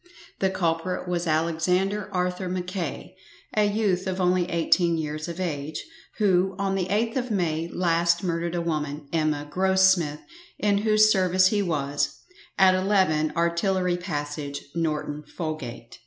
The culprit was Alexander Arthur Mackay, a youth of only eighteen years of age, who, on the 8th of May last murdered a woman Emma Grossmith in whose service he was, at 11, Artillery passage, Norton Folgate.